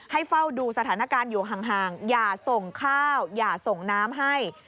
เฝ้าดูสถานการณ์อยู่ห่างอย่าส่งข้าวอย่าส่งน้ำให้